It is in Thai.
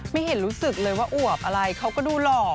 ไม่เห็นรู้สึกเลยว่าอวบอะไรเขาก็ดูหลอก